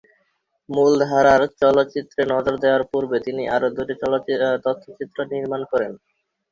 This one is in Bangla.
মূলধারার চলচ্চিত্রে নজর দেয়ার পূর্বে তিনি আরো দুটি তথ্যচিত্র নির্মান করেন।